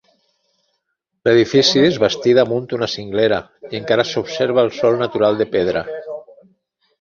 L'edifici es bastí damunt una cinglera i encara s'observa el sòl natural de pedra.